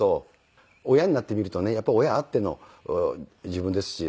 親になってみるとねやっぱり親あっての自分ですし。